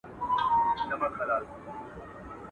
ښکلي سترګي دي ویشتل کړي ته وا ډکي توپنچې دي.